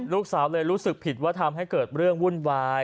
ลูกสาวเลยรู้สึกผิดว่าทำให้เกิดเรื่องวุ่นวาย